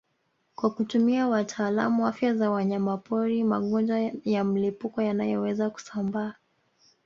Kwa kutumia watalaamu afya za wanyamapori magonjwa ya mlipuko yanayoweza kusambaa